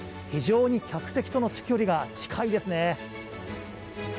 非常に客席との距離が近いですね。